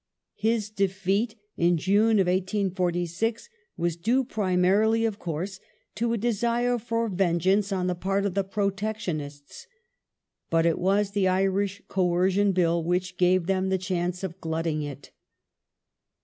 His defeat in June, 1846, was due primarily, of coui se, to a desire for vengeance on the part of the Protectionists ; but it was the Irish Coercion Bill which gave them the chance of glutting it.